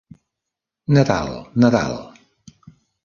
Nadal, Nadal!